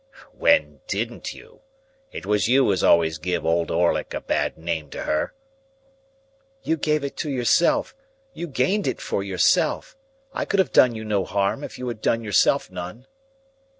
"When didn't you? It was you as always give Old Orlick a bad name to her." "You gave it to yourself; you gained it for yourself. I could have done you no harm, if you had done yourself none."